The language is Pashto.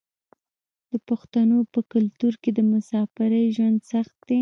د پښتنو په کلتور کې د مسافرۍ ژوند سخت دی.